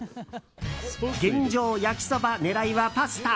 現状、焼きそば狙いはパスタ。